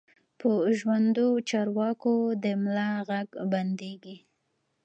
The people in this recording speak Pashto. په ژوندو چارواکو د ملا غږ بندېږي.